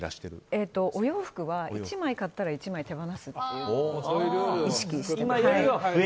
お洋服は１枚買ったら１枚手放すことを意識して。